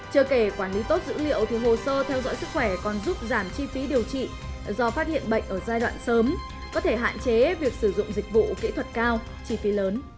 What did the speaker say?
chờ kể quản lý tốt dữ liệu thì hồ sơ theo dõi sức khỏe còn giúp giảm chi phí điều trị do phát hiện bệnh ở giai đoạn sớm có thể hạn chế việc sử dụng dịch vụ kỹ thuật cao chi phí lớn